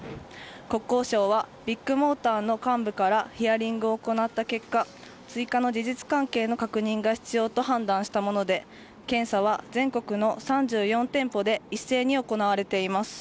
国交省はビッグモーターの幹部からヒアリングを行った結果追加の事実関係の確認が必要と判断したもので検査は全国の３４店舗で一斉に行われています。